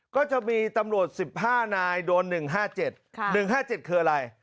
ก็จะมีตำรวจสิบห้านายโดนหนึ่งห้าเจ็ดค่ะหนึ่งห้าเจ็ดแคลไลน์